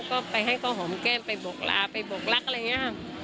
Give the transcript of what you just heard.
ก็ไปให้เขาหอมแก้มไปบกลาไปบอกรักอะไรอย่างนี้ค่ะ